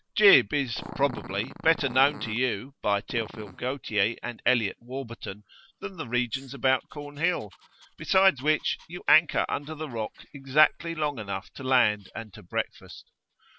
"Gib" is, probably, better known to you, by Theophile Gautier and Eliot Warburton, than the regions about Cornhill; besides which, you anchor under the Rock exactly long enough to land and to breakfast.